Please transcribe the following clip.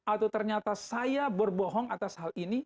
atau ternyata saya berbohong atas hal ini